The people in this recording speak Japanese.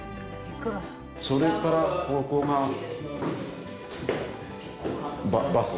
それからここがバス。